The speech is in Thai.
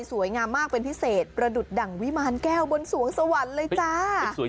สวยงามมากเป็นพิเศษประดุษดั่งวิมารแก้วบนสวงสวรรค์เลยจ้า